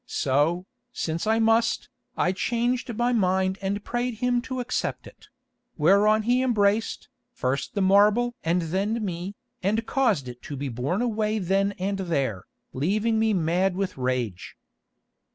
So, since I must, I changed my mind and prayed him to accept it; whereon he embraced, first the marble and then me, and caused it to be borne away then and there, leaving me mad with rage.